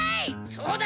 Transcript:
そうだ！